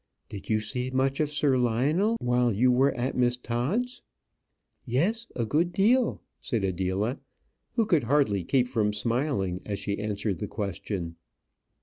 Did you see much of Sir Lionel while you were at Miss Todd's?" "Yes, a good deal," said Adela, who could hardly keep from smiling as she answered the question.